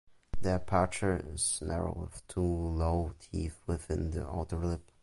The aperture is narrow with two low teeth within the outer lip.